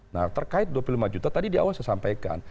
nah terkait dua puluh lima juta tadi di awal saya sampaikan